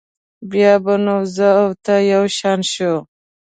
بیا به نو زه او ته یو شان شو.